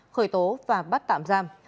khởi tố và bắt tạm giam